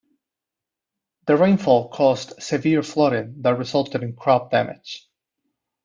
The rainfall caused severe flooding that resulted in crop damage.